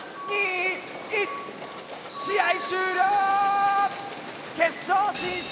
試合終了！